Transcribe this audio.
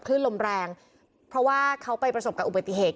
ลมแรงเพราะว่าเขาไปประสบกับอุบัติเหตุ